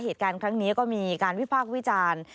เหตุการณ์ครั้งนี้ก็มีการวิพากษ์วิจารณ์